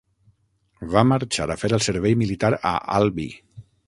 Va marxar a fer el servei militar a Albi.